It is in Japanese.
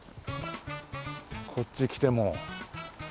こっち来ても。